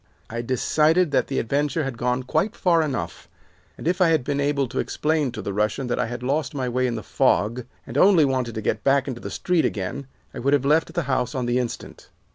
I decided that the adventure had gone quite far enough, and if I had been able to explain to the Russian that I had lost my way in the fog, and only wanted to get back into the street again, I would have left the house on the instant.